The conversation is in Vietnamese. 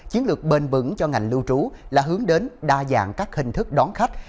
chiến lược bền vững cho ngành lưu trú là hướng đến đa dạng các hình thức đón khách